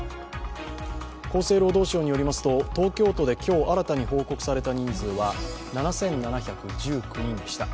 厚生労働省によりますと東京都で今日、新たに報告された人数は７７１９人でした。